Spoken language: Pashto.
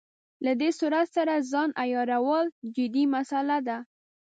له دې سرعت سره ځان عیارول جدي مساله ده.